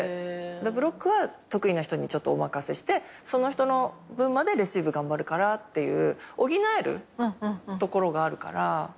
ブロックは得意な人にちょっとお任せしてその人の分までレシーブ頑張るからっていう補えるところがあるから。